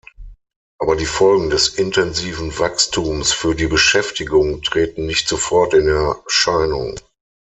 Aber die Folgen des intensiven Wachstums für die Beschäftigung treten nicht sofort in Erscheinung.